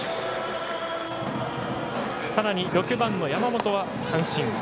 さらに６番の山本は三振。